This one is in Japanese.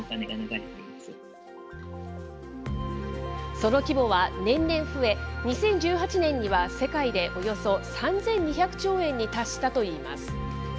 その規模は年々増え、２０１８年には世界でおよそ３２００兆円に達したといいます。